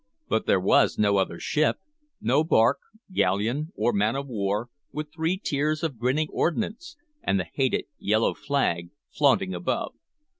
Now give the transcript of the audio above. But there was no other ship, no bark, galleon, or man of war, with three tiers of grinning ordnance, and the hated yellow flag flaunting above.